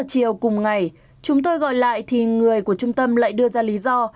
một mươi bốn h chiều cùng ngày chúng tôi gọi lại thì người của trung tâm lại đưa ra lý do